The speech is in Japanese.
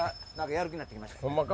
やる気になって来ました。